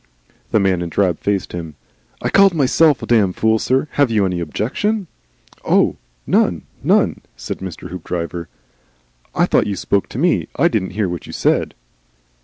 The man in drab faced him. "I called myself a Damned Fool, sir. Have you any objections?" "Oh! None. None," said Mr. Hoopdriver. "I thought you spoke to me. I didn't hear what you said."